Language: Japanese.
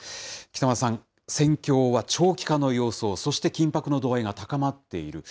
北村さん、戦況は長期化の様相、そして緊迫の度合いが高まっている。